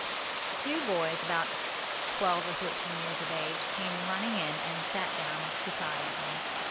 Two boys about twelve or thirteen years of age came running in and sat down beside him.